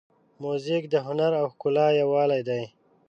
موزیک د هنر او ښکلا یووالی دی.